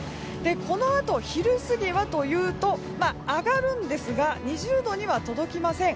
このあと昼過ぎは上がるんですが２０度には届きません。